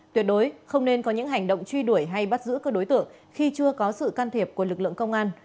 tuyệt đối không nên có những hành động truy đuổi hay bắt giữ các đối tượng khi chưa có sự can thiệp của lực lượng công an